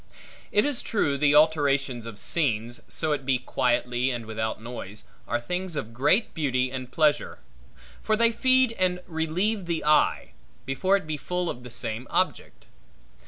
It is true, the alterations of scenes, so it be quietly and without noise, are things of great beauty and pleasure; for they feed and relieve the eye, before it be full of the same object.